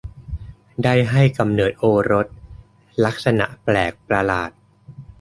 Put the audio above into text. ได้ให้กำเนิดโอรสลักษณะแปลกประหลาด